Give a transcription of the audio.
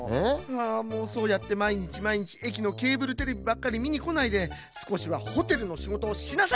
ああもうそうやってまいにちまいにちえきのケーブルテレビばっかりみにこないですこしはホテルのしごとをしなさい！